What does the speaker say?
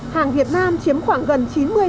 hàng việt nam chiếm khoảng gần chín mươi